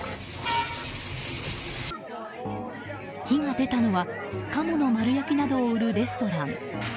火が出たのはカモの丸焼きなどを売るレストラン。